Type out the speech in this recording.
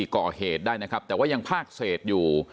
ก่อเหตุได้นะครับแต่ว่ายังภาคเศษอยู่